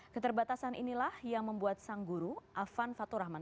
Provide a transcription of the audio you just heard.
keterbatasan inilah yang membuat sang guru afan faturahman